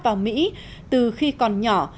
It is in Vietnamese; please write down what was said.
vào mỹ từ khi còn nhỏ